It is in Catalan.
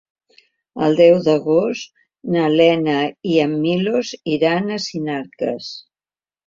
El deu d'agost na Lena i en Milos iran a Sinarques.